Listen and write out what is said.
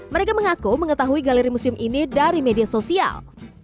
mereka mengaku mengetahui galeri museum ini dari media sosial